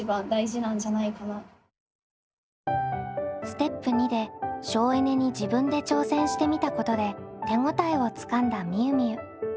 ステップ②で省エネに自分で挑戦してみたことで手応えをつかんだみゆみゆ。